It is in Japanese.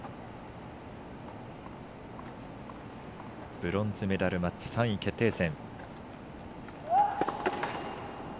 ブロンズメダルマッチ３位決定戦。